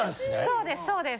そうですそうです。